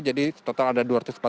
jadi total ada dua ratus empat puluh